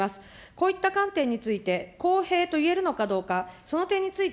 こういった観点について、公平といえるのかどうか、その点につい